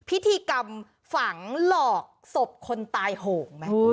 พิธีกรรมฝังหลอกศพคนตายโหงไหม